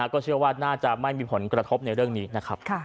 ก็เชื่อว่าน่าจะไม่มีผลกระทบในเรื่องนี้นะครับ